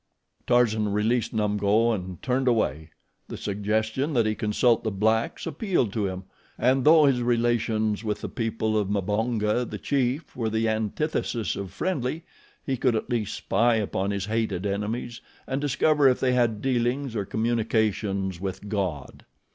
Tarzan released Numgo and turned away. The suggestion that he consult the blacks appealed to him, and though his relations with the people of Mbonga, the chief, were the antithesis of friendly, he could at least spy upon his hated enemies and discover if they had intercourse with God.